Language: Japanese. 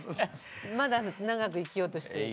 まだ長く生きようとしている。